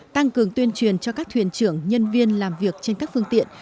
tăng cường tuyên truyền cho các thuyền trưởng nhân viên làm việc trên các phương tiện